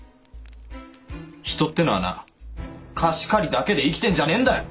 人ってのはな貸し借りだけで生きてんじゃねえんだよ！